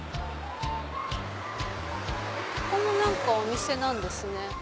ここも何かお店なんですね。